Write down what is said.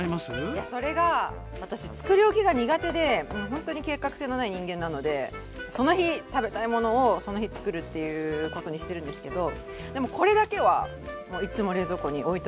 いやそれが私作り置きが苦手でもうほんとに計画性のない人間なのでその日食べたいものをその日作るっていうことにしてるんですけどでもこれだけはもういっつも冷蔵庫に置いといてます。